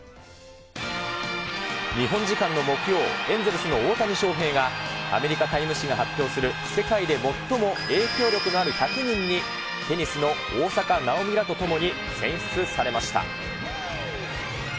日本時間の木曜、エンゼルスの大谷翔平が、アメリカ・タイム誌が発表する、世界で最も影響力のある１００人に、テニスの大坂なおみらと共に選出されました。